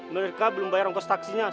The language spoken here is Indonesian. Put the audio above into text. mereka belum bayar ongkos taksinya